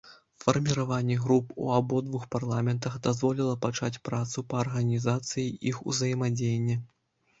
Фарміраванне груп у абодвух парламентах дазволіла пачаць працу па арганізацыі іх узаемадзеяння.